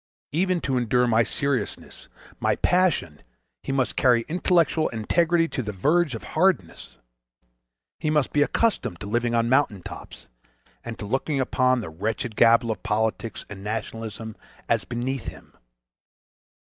Even to endure my seriousness, my passion, he must carry intellectual integrity to the verge of hardness. He must be accustomed to living on mountain tops—and to looking upon the wretched gabble of politics and nationalism as beneath him.